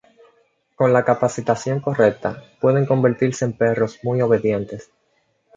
Con la capacitación correcta, pueden convertirse en perros muy obedientes.